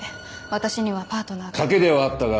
私にはパートナーが。